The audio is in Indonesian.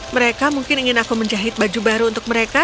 mereka mungkin ingin aku menjahit baju baru untuk mereka